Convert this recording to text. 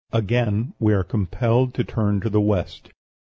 Again we are compelled to turn to the West.